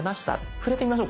触れてみましょうか。